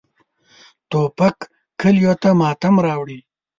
توپک کلیو ته ماتم راوړي.